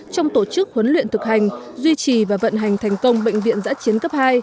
trong tổ chức huấn luyện thực hành duy trì và vận hành thành công bệnh viện giã chiến cấp hai